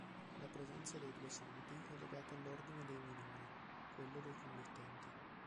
La presenza dei due santi è legata all'ordine dei Minori, quello dei committenti.